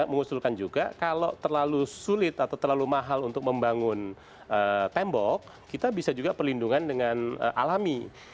mengusulkan juga kalau terlalu sulit atau terlalu mahal untuk membangun tembok kita bisa juga perlindungan dengan alami